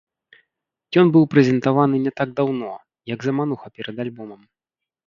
Ён быў прэзентаваны не так даўно, як замануха перад альбомам.